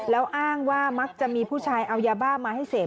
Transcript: แล้วอ้างว่ามักจะมีผู้ชายเอายาบ้ามาให้เสพ